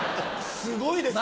すごいですよね？